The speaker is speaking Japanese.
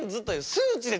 数値で！？